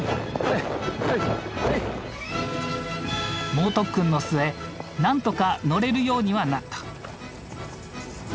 猛特訓の末なんとか乗れるようにはなった。